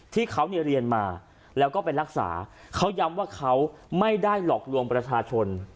ที่เขาเรียนมาแล้วก็ไปรักษาเขาย้ำว่าเขาไม่ได้หลอกลวงประชาชน